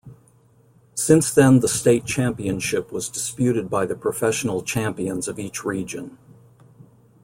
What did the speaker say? Since then the state championship was disputed by the professional champions of each region.